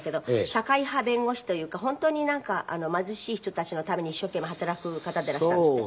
社会派弁護士というか本当になんか貧しい人たちのために一生懸命働く方でいらしたんですって？